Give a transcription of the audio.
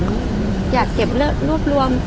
ภาษาสนิทยาลัยสุดท้าย